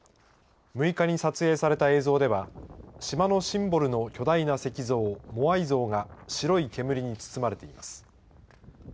６日に撮影された映像では島のシンボルの巨大な石像モアイ像が白い煙に包まれています。